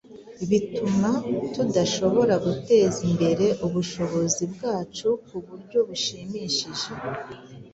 bituma tudashobora guteza imbere ubushobozi bwacu ku buryo bushimishije.